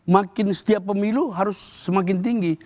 makin setiap pemilu harus semakin tinggi